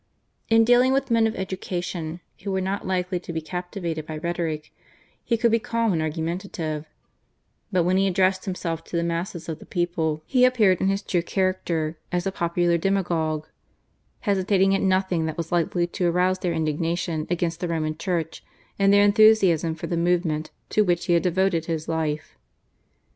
In dealing with men of education, who were not likely to be captivated by rhetoric, he could be calm and argumentative; but when he addressed himself to the masses of the people he appeared in his true character as a popular demagogue, hesitating at nothing that was likely to arouse their indignation against the Roman Church and their enthusiasm for the movement to which he had devoted his life.